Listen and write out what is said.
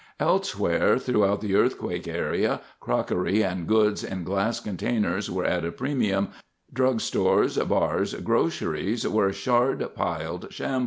(Christopherson)] Elsewhere throughout the earthquake area, crockery and goods in glass containers were at a premium; drug stores, bars, groceries were shard piled shambles.